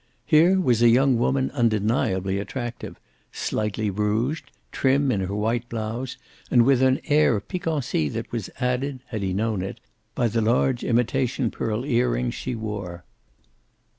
Here was a young woman undeniably attractive; slightly rouged, trim in her white blouse, and with an air of piquancy that was added, had he known it, by the large imitation pearl earrings she wore.